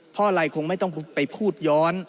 เพราะอะไรคงไม่ต้องไปพูดย้อน